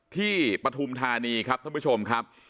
ปฐุมธานีครับท่านผู้ชมครับ